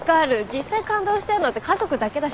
実際感動してんのって家族だけだしね。